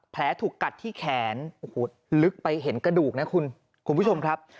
แผลถูกกัดที่แขนโอ้โหลึกไปเห็นกระดูกนะคุณผู้ชมครับ